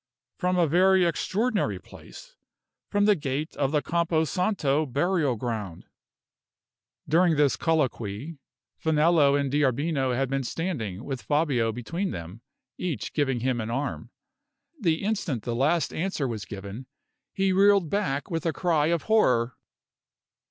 "From a very extraordinary place from the gate of the Campo Santo burial ground." During this colloquy, Finello and D'Arbino had been standing with Fabio between them, each giving him an arm. The instant the last answer was given, he reeled back with a cry of horror.